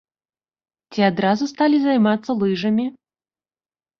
Ці адразу сталі займацца лыжамі?